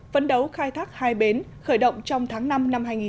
phấn đấu khai thác hai bến khởi động trong tháng năm năm hai nghìn một mươi tám